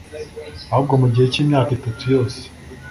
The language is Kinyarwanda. ahubwo, mu gihe cy'imyaka itatu yose,